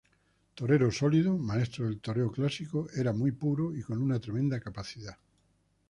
Torero sólido, maestro del toreo clásico, era muy puro y con una tremenda capacidad.